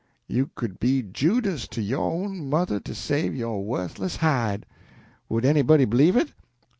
You could be Judas to yo' own mother to save yo' wuthless hide! Would anybody b'lieve it?